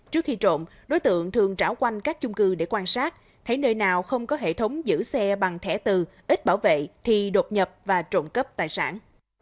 trước khi trộn đối tượng thường trảo quanh các chung cư để quan sát thấy nơi nào không có hệ thống giữ xe bằng thẻ từ ít bảo vệ thì đột nhập và trộn cấp tài sản